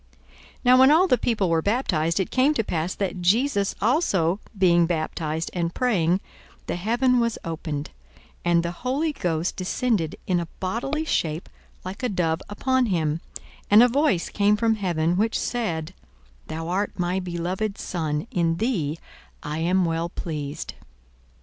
42:003:021 Now when all the people were baptized, it came to pass, that Jesus also being baptized, and praying, the heaven was opened, 42:003:022 And the Holy Ghost descended in a bodily shape like a dove upon him, and a voice came from heaven, which said, Thou art my beloved Son; in thee I am well pleased.